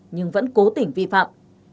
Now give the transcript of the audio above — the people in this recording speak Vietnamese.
nhưng vẫn cố tỉnh vi phạm